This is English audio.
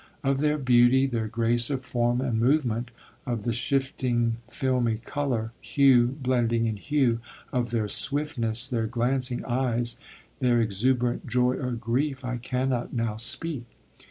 Of their beauty, their grace of form and movement, of the shifting filmy colour, hue blending in hue, of their swiftness, their glancing eyes, their exuberant joy or grief I cannot now speak.